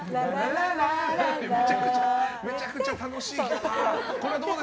めちゃくちゃ楽しいけどな。